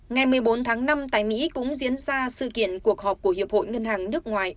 ngày một mươi bốn tháng năm tại mỹ cũng diễn ra sự kiện cuộc họp của hiệp hội ngân hàng nước ngoài